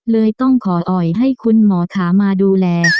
เลยต้องขออ่อยให้คุณหมอถามมาดูแล